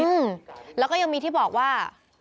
อืมแล้วก็ยังมีที่บอกว่า